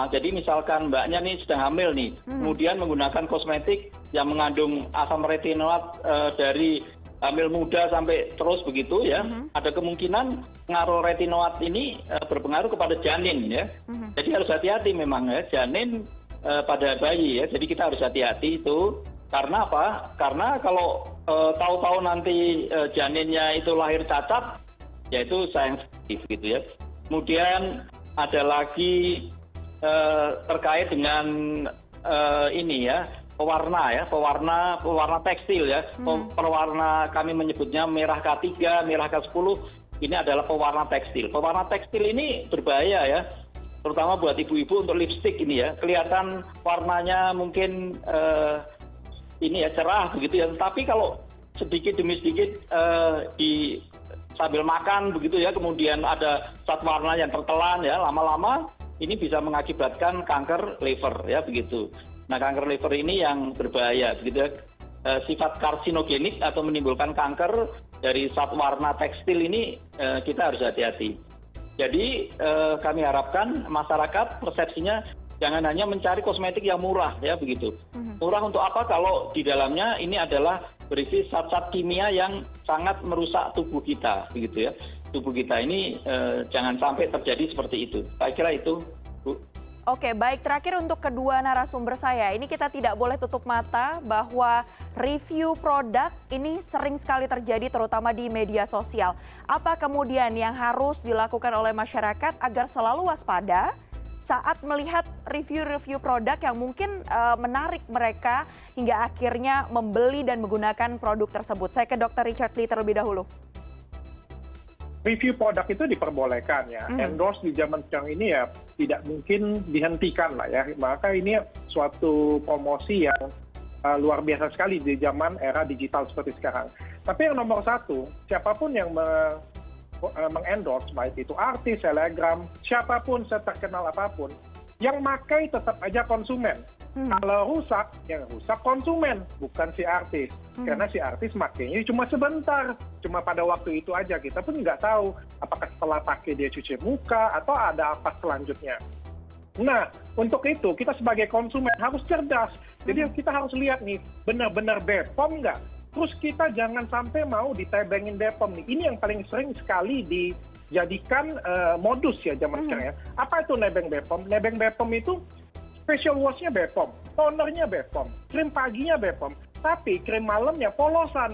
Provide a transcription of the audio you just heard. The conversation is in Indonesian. jadi untuk melihat nomor notifikasi itu bisa dilihat kita menggunakan aplikasi software techne com go id gitu ya